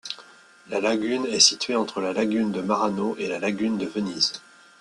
La lagune est située entre la Lagune de Marano et la Lagune de Venise.